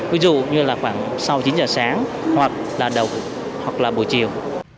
ví dụ như là khoảng sau chín giờ sáng hoặc là đầu hoặc là buổi chiều